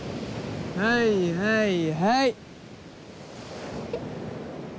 はいはいはい。